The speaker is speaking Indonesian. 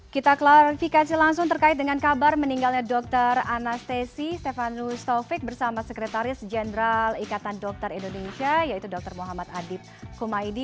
kita klarifikasi langsung terkait dengan kabar meninggalnya dr anastasi stefanus taufik bersama sekretaris jenderal ikatan dokter indonesia yaitu dr muhammad adib kumaydi